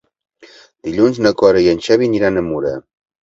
Dilluns na Cora i en Xavi aniran a Mura.